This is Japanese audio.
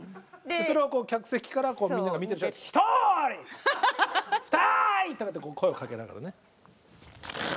それを客席からみんなが見て「ひとりふたり」とかって声をかけながらね。